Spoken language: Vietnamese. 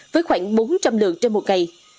với khoảng bốn trăm linh lượt trong một ngày